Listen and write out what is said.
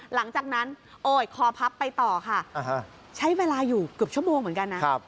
หลังจากนั้นโอ้ยคอพับไปต่อค่ะใช้เวลาอยู่เกือบชั่วโมงเหมือนกันนะ